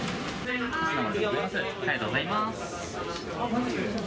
ありがとうございます。